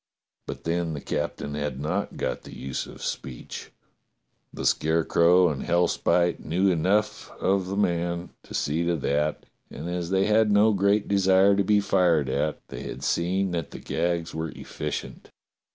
But then the captain had not got the use of speech. The Scarecrow and Hellspite knew enough of the man to see to that, and as they had no great desire to be fired at, they had seen that the gags were 212 DOCTOR SYN efficient.